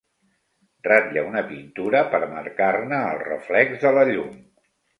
Ratlla una pintura per marcar-ne el reflex de la llum.